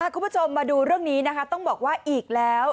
คุณผู้ชมมาดูเรื่องนี้นะคะต้องบอกว่าอีกแล้ว